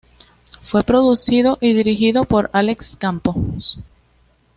Fue producido y dirigido por Alex Campos.